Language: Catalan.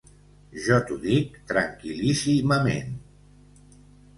Jo t’ho dic tranquil·líssimament.